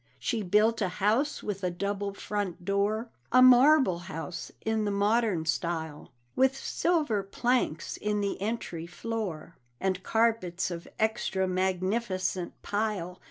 She built a house with a double front door, A marble house in the modern style, With silver planks in the entry floor, And carpets of extra magnificent pile.